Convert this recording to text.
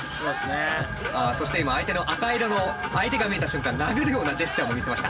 そして今相手の赤色の相手が見えた瞬間殴るようなジェスチャーも見せました。